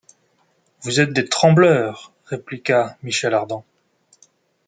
Vous êtes des trembleurs, répliqua Michel Ardan.